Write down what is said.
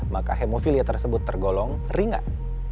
maka hemofilia tersebut tergolong ringan